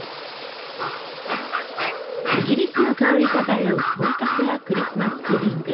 イギリスの香り漂う本格派クリスマス・プディング。